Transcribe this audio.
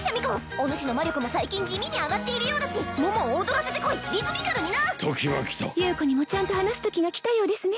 お主の魔力も最近地味に上がっているようだし桃を踊らせてこいリズミカルにな時は来た優子にもちゃんと話す時が来たようですね